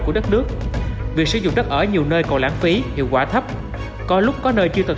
của đất nước việc sử dụng đất ở nhiều nơi còn lãng phí hiệu quả thấp có lúc có nơi chưa thật